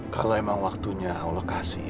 kalau emang waktunya allah kasih